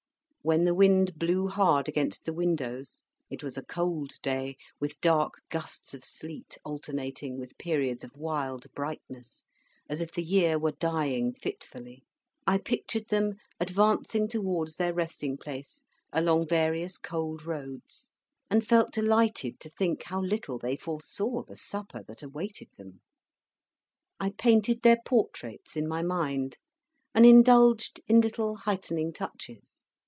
When the wind blew hard against the windows, it was a cold day, with dark gusts of sleet alternating with periods of wild brightness, as if the year were dying fitfully, I pictured them advancing towards their resting place along various cold roads, and felt delighted to think how little they foresaw the supper that awaited them. I painted their portraits in my mind, and indulged in little heightening touches.